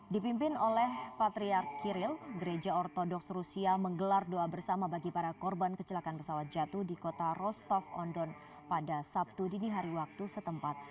dipimpin oleh patriar kiril gereja ortodoks rusia menggelar doa bersama bagi para korban kecelakaan pesawat jatuh di kota rostov on don pada sabtu dini hari waktu setempat